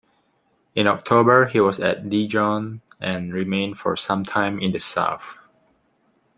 In October he was at Dijon, and remained for some time in the south.